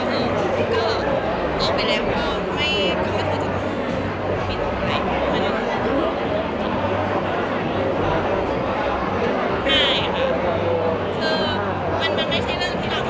แสดงว่าค่ะหาจำค์แบบนอนอยู่กันเท่าไหร่เขามาตื่นใดมันอาธิบายวันนี้ทีค่ะ